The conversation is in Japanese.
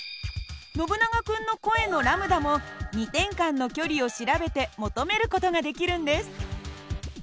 ノブナガ君の声のλも２点間の距離を調べて求める事ができるんです。